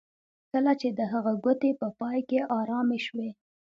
کله چې د هغه ګوتې په پای کې ارامې شوې